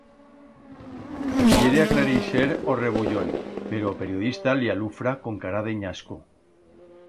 Quiere aclareixer o rebullón pero o periodista li alufra con cara de nyasco.